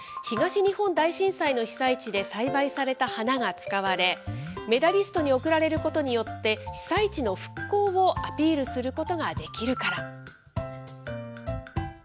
東日本大震災の被災地で栽培された花が使われ、メダリストに贈られることによって、被災地の復興をアピールすることができるから。